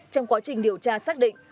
trong quá trình điều tra xác định